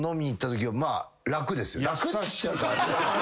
楽っつっちゃうとあれ。